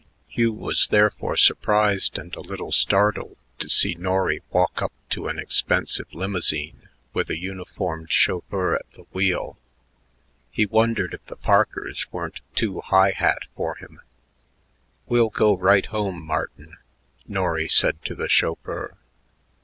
Hugh was therefore surprised and a little startled to see Norry walk up to an expensive limousine with a uniformed chauffeur at the wheel. He wondered if the Parkers weren't too high hat for him? "We'll go right home, Martin," Norry said to the chauffeur.